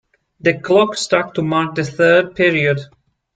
The clock struck to mark the third period.